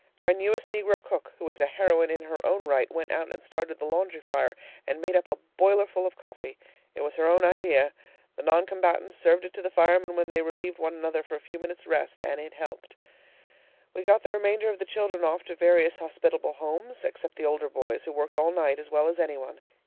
Our newest negro cook, who is a heroine in her own right, went out and started the laundry fire and made up a boilerful of coffee. It was her own idea. The non combatants served it to the firemen when they relieved one another for a few minutes' rest, and it helped. We got the remainder of the children off to various hospitable houses, except the older boys, who worked all night as well as any one.